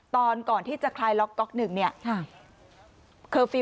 ตอนก่อนที่จะคลายล็อกก๊อก๑